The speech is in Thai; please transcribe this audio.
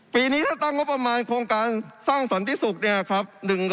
ปีนี้ถ้าตั้งงบประมาณโครงการสร้างสันติศุกร์เนี่ยครับ